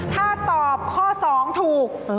ถ้าตอบข้อ๒ถูก